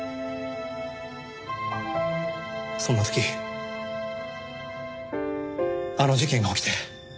そんな時あの事件が起きて。